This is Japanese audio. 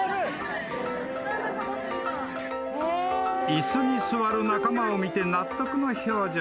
［椅子に座る仲間を見て納得の表情］